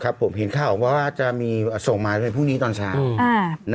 ผมเห็นข่าวว่าจะมีส่งมาในพรุ่งนี้ตอนเช้า